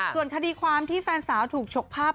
ส่วนคดีความที่แฟนสาวถูกฉกภาพ